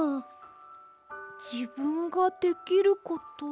じぶんができること。